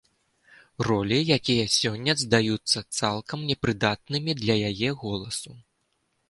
Ролі, якія сёння здаюцца цалкам непрыдатнымі для яе голасу.